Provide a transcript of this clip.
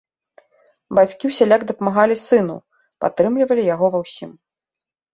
Бацькі ўсяляк дапамагалі сыну, падтрымлівалі яго ва ўсім.